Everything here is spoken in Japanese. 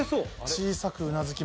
小さくうなずきました。